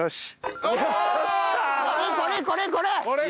これこれこれこれ！